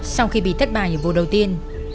sau khi bị thất bại ở vụ đầu tiên